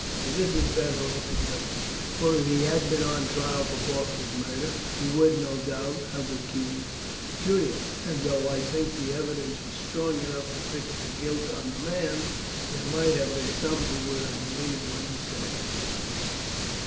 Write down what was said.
But this is better altogether, for if he had been put on trial for Faulkner's murder, he would, no doubt, have accused Julian, and though I think the evidence was strong enough to fix the guilt on the man, there might have been some who would have believed what he said.